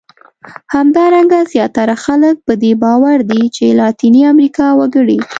همدارنګه زیاتره خلک په دې باور دي چې لاتیني امریکا وګړي.